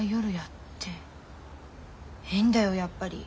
変だよやっぱり。